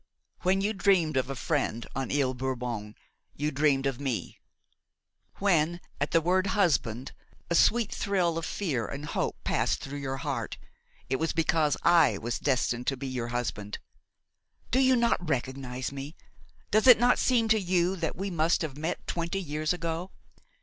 When you dreamed of a friend on Ile Bourbon, you dreamed of me; when, at the word husband, a sweet thrill of fear and hope passed through your heart, it was because I was destined to be your husband. Do you not recognize me? Does not it seem to you that we must have met twenty years ago?